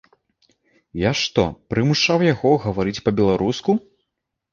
Я што, прымушаў яго гаварыць па-беларуску?